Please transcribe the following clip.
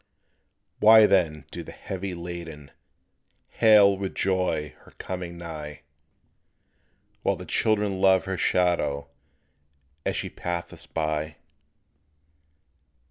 Why then do the "heavy laden" Hail with joy her coming nigh? Why the childern love her shadow As she passeth by?